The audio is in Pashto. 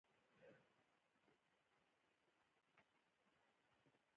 ښارونه د افغانستان د اقلیم یوه ځانګړتیا ده.